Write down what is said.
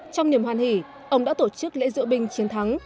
trong niềm hoan hỷ ông đã tổ chức lễ diễu binh chiến thắng